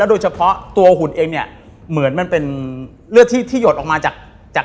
โดยเฉพาะตัวหุ่นเองเนี่ยเหมือนมันเป็นเลือดที่ที่หยดออกมาจากจาก